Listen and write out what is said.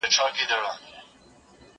زه به اوږده موده سپينکۍ مينځلي وم،